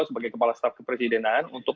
sebagai kepala staf kepresidenan untuk